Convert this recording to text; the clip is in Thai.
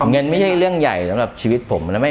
เงินไม่ใช่เรื่องใหญ่สำหรับชีวิตผมนะ